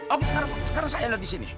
oke sekarang saya lagi di sini